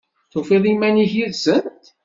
Tufiḍ iman-ik yid-sent?